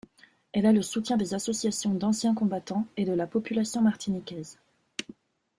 Elle a le soutien des associations d'anciens combattants et de la population martiniquaise.